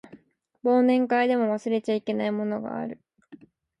忘年会でも忘れちゃいけないものがある